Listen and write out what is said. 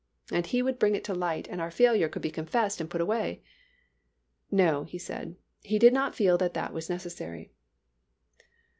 and He would bring it to light and our failure could be confessed and put away. "No," he said, "he did not feel that that was necessary."